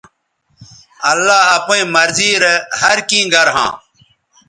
اللہ اپئیں مرضی رے ہر کیں گر ھاں